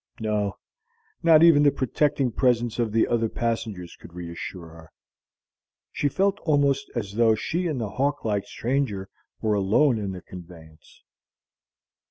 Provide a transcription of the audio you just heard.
No; not even the protecting presence of the other passengers could reassure her. She felt almost as though she and the hawk like stranger were alone in the conveyance.